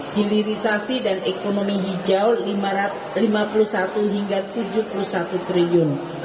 hilirisasi dan ekonomi hijau rp lima puluh satu hingga rp tujuh puluh satu triliun